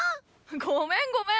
ごめんごめん。